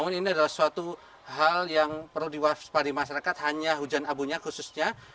namun ini adalah suatu hal yang perlu diwaspadi masyarakat hanya hujan abunya khususnya